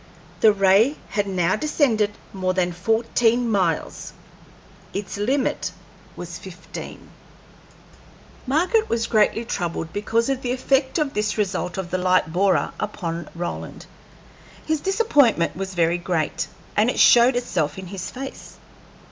The ray had now descended more than fourteen miles its limit was fifteen. Margaret was greatly troubled because of the effect of this result of the light borer upon Roland. His disappointment was very great, and it showed itself in his face.